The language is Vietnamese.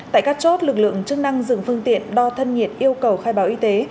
tại các chốt lực lượng chức năng dừng phương tiện đo thân nhiệt yêu cầu khai báo y tế